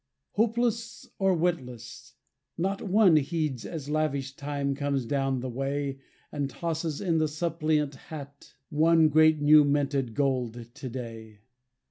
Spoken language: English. Hopeless or witless! Not one heeds, As lavish Time comes down the way And tosses in the suppliant hat One great new minted gold To day.